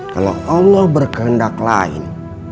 kalau allah berkehendak lain